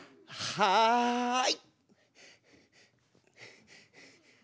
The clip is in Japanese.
はい！